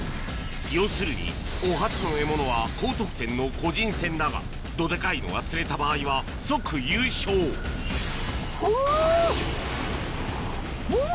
要するにお初の獲物は高得点の個人戦だがどデカいのが釣れた場合は即優勝お！